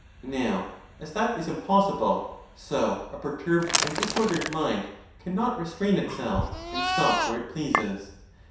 Now, as that is impossible, so a perturbed and disordered mind cannot restrain itself, and stop where it pleases.